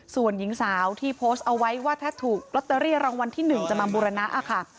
ส่วนหญิงสาวที่โพสต์เอาไว้ว่าถ้าถูกลอตเตอรี่รางวัลที่๑จะมาบูรณะค่ะ